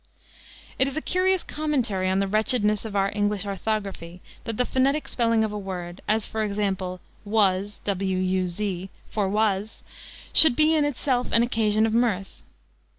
It is a curious commentary on the wretchedness of our English orthography that the phonetic spelling of a word, as for example, wuz for was, should be in itself an occasion of mirth.